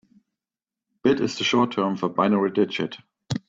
Bit is the short term for binary digit.